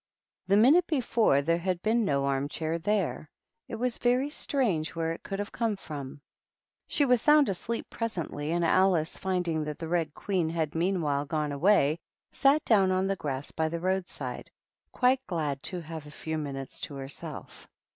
The minute before there had been no arm chair there ; it was very strange where it could have come from. She was sound asleep presently, and Alice, finding that the Bed Queen had meanwhile gone away, sat down on the grass by the roadside, quite glad to have a few minutes to herself.